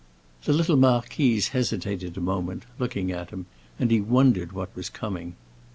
The little marquise hesitated a moment, looking at him, and he wondered what was coming.